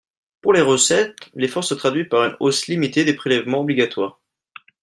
Pour les recettes, l’effort se traduit par une hausse limitée des prélèvements obligatoires.